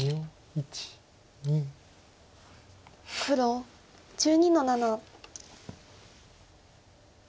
黒１２の七。